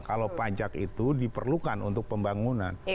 kalau pajak itu diperlukan untuk pembangunan